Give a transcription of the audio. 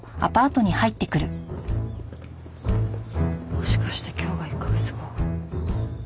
もしかして今日が１カ月後？